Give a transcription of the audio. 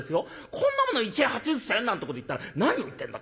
『こんなもの１円８０銭？』なんてこと言ったら『何を言ってんだ。